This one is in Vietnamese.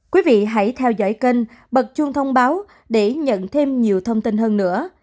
quý vị hãy theo dõi kênh bật chuông thông báo để nhận thêm nhiều thông tin hơn nữa